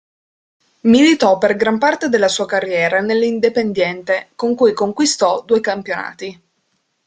Militò per gran parte della sua carriera nell'Independiente, con cui conquistò due campionati.